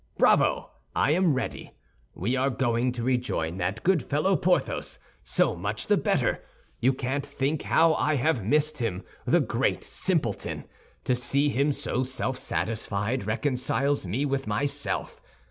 Bravo! I am ready. We are going to rejoin that good fellow, Porthos. So much the better. You can't think how I have missed him, the great simpleton. To see him so self satisfied reconciles me with myself.